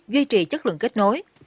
duy trì chất lượng kết nối